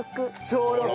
小６。